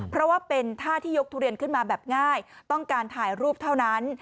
เพราะว่าเป็นท่าที่ยกทุเรียนขึ้นมาแบบง่ายต้องการถ่ายรูปเท่านั้น